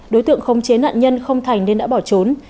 đối tượng không chế nạn nhân không thành nên đã bỏ trốn